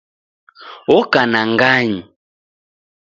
Oka na ng'anyi